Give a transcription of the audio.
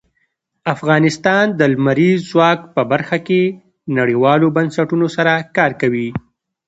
افغانستان د لمریز ځواک په برخه کې نړیوالو بنسټونو سره کار کوي.